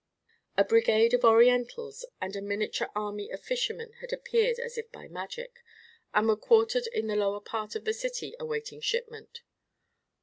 A brigade of Orientals and a miniature army of fishermen had appeared as if by magic, and were quartered in the lower part of the city awaiting shipment.